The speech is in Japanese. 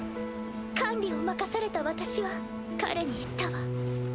管理を任された私は彼に言ったわ。